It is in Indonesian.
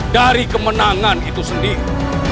dari kemenangan itu sendiri